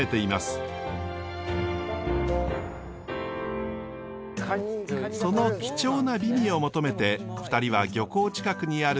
その貴重な美味を求めて２人は漁港近くにある水産会社の市場へ。